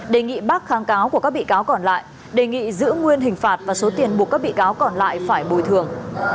đề nghị bác kháng cáo của các bị cáo còn lại đề nghị giữ nguyên hình phạt và số tiền buộc các bị cáo còn lại phải bồi thường